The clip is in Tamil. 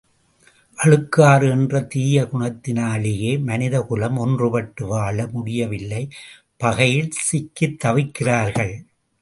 அழுக்காறு என்ற தீய குணத்தினாலேயே மனித குலம் ஒன்றுபட்டு வாழ முடியவில்லை பகையில் சிக்கித் தவிக்கிறார்கள்.